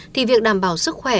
thì việc đảm bảo sức khỏe